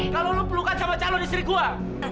kalau lo pelukan sama calon istri gue